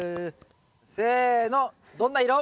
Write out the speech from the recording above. せのどんな色？